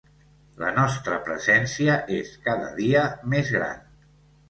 La nostra presència és cada dia més gran.